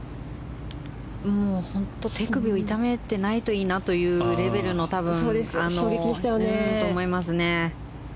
本当、手首を痛めてないといいなというレベルだと思います。